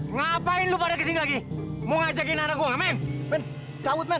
ngapain lu pada kesini lagi mau ngajakin anak gua ngamen men caut man